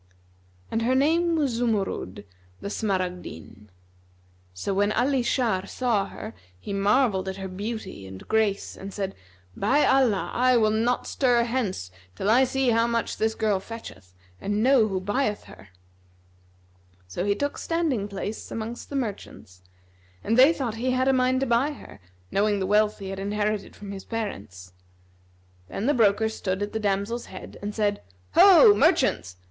And her name was Zumurrud—the Smaragdine. So when Ali Shar saw her, he marvelled at her beauty and grace and said, "By Allah, I will not stir hence till I see how much this girl fetcheth, and know who buyeth her!" So he took standing place amongst the merchants, and they thought he had a mind to buy her, knowing the wealth he had inherited from his parents. Then the broker stood at the damsel's head and said, "Ho, merchants!